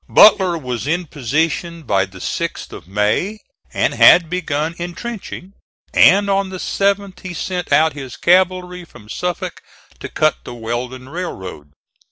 Butler was in position by the 6th of May and had begun intrenching, and on the 7th he sent out his cavalry from Suffolk to cut the Weldon Railroad.